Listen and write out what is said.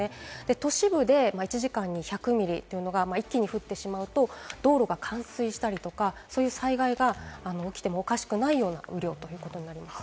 都市部で１時間に１００ミリというのが一気に降ってしまうと、道路が冠水したりとか、そういう災害が起きてもおかしくないような雨量ということになります。